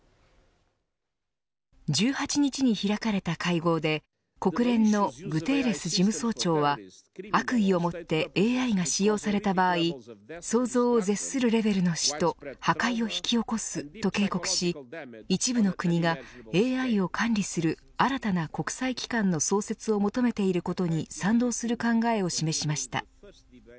１８日に開かれた会合で国連のグテーレス事務総長は悪意をもってＡＩが使用された場合想像を絶するレベルの死と破壊を引き起こすと警告し一部の国がＡＩを管理する新たな国際機関の創設を求めていることに賛同する考えを示しました。